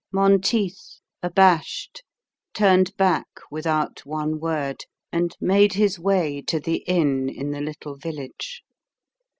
Monteith, abashed, turned back without one word, and made his way to the inn in the little village.